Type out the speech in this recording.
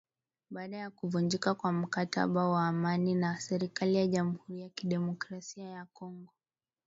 baada ya kuvunjika kwa mkataba wa amani na serikali ya Jamhuri ya kidemokrasia ya Kongo